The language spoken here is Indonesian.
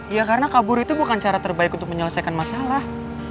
ya karena kabur itu bukan cara terbaik untuk menyelesaikan masalah